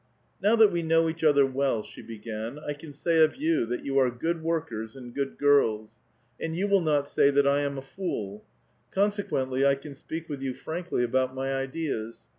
" Now that we know each other well," she began, *' I can say of you that you are good workers and good girls. And you will not say that I am a fool. Consequently 1 can speak with you frankly about my ideas.